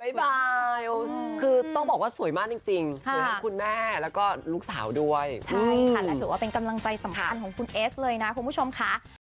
บ๊ายบายคือต้องบอกว่าสวยมากจริงคุณแม่แล้วก็ลูกสาวด้วยเป็นกำลังใจสำคัญของคุณเอสเลยนะคุณผู้ชมค่ะ